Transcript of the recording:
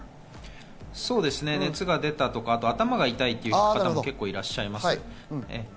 熱が出た後は頭が痛いという方も結構いらっしゃいます。